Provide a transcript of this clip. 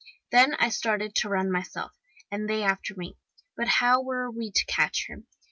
Then I started to run myself, and they after me but how were we to catch her?